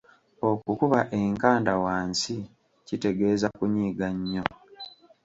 Okukuba enkanda wansi kitegeeza kunyiiga nnyo.